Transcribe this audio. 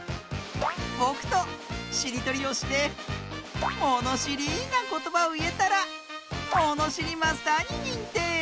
ぼくとしりとりをしてものしりなことばをいえたらものしりマスターににんてい！